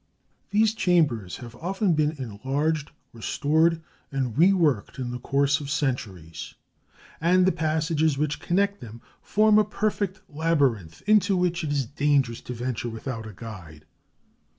These chambers have often been enlarged, restored, and reworked in the course of centuries, and the passages which connect them form a perfect labyrinth into which it is dangerous to venture without a guide.